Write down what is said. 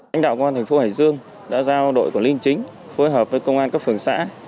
anh đạo công an tp hải dương đã giao đội của linh chính phối hợp với công an các phường xã